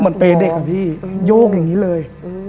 เหมือนเปรย์เด็กกับพี่โยกอย่างนี้เลย